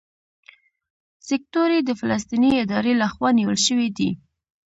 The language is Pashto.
سیکټور اې د فلسطیني ادارې لخوا نیول شوی دی.